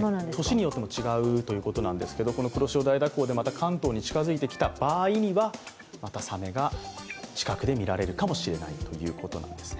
年によっても違うということなんですけど黒潮大蛇行で関東に近づいてきた場合にはまたサメが近くで見られるかもしれないということです。